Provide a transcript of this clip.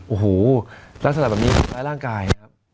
โอ้โหลักษณะแบบนี้แร้งร่างกายนะครับ